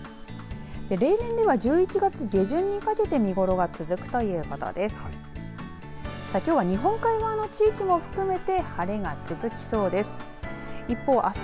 例年では１１月下旬にかけて見ごろが続くということです。